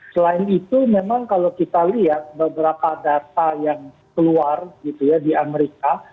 selain itu memang kalau kita lihat beberapa data yang keluar gitu ya di amerika